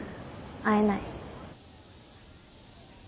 会えない。